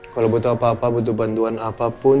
kalau butuh apa apa butuh bantuan apapun